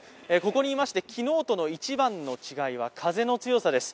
ここにいまして昨日との一番の違いは風の強さです。